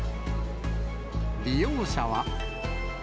利用者は。